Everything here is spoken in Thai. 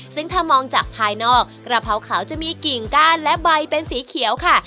ซึ่งถ้ามองจากภายนอกกระเพราขาวจะมีกิ่งก้านและใบเป็นสีเขียวค่ะ